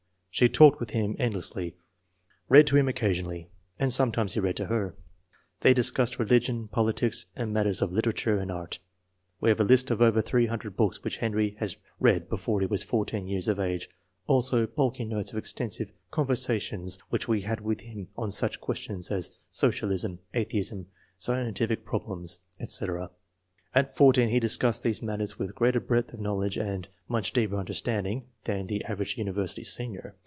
She talked with him endlessly, read to him occasionally, and sometimes he read to her. They discussed religion, politics, and matters of literature and art. We have a list of over three hundred books which Henry had read before he was 14 years of age, also bulky notes of extensive con versations which we had with him on such questions as socialism, atheism, scientific problems, etc. At 14 he discussed these matters with greater breadth of knowledge and much deeper understanding than the average university senior.